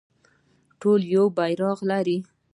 ټول یو بیرغ لري